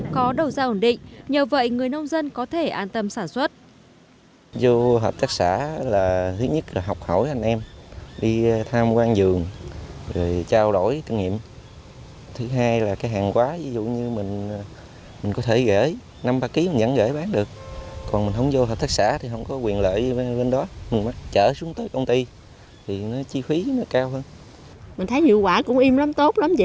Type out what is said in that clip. có đầu giao ổn định nhờ vậy người nông dân có thể an tâm sản xuất